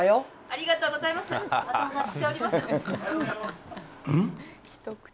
・ありがとうございますうん？